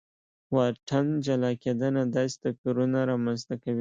واټن جلا کېدنه داسې توپیرونه رامنځته کوي.